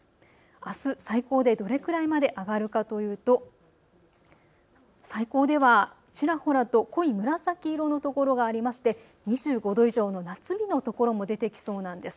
あす最高でどれくらいまで上がるかというと最高ではちらほらと濃い紫色のところがありまして２５度以上の夏日の所も出てきそうなんです。